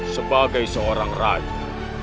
sebagai seorang rakyat